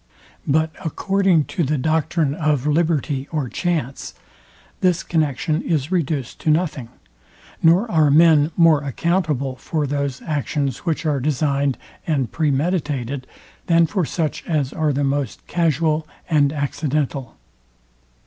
But according to the doctrine of liberty or chance, this connexion is reduced to nothing, nor are men more accountable for those actions, which are designed and premeditated, than for such as are the most casual and accidental.